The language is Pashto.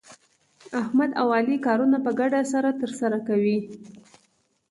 احمد او علي کارونه په ګډه سره ترسره کوي.